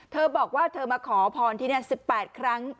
เธอบอกว่าเธอมาขอพรที่นี่๑๘ครั้ง